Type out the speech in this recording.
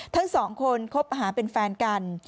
ทั้งสองคนคบหาเป็นแฟนกัน